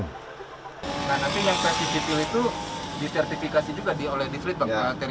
nah tapi yang versi sipil itu disertifikasi juga oleh dislitbank